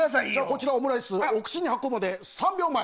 こちらオムライスお口に運ぶまで３秒前。